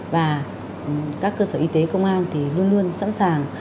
và các cơ sở y tế công an thì luôn luôn sẵn sàng